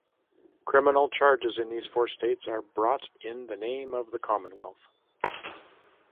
Criminal charges in these four states are brought in the name of the "Commonwealth".